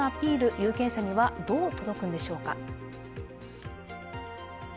有権者には、どう届くんでしょうか？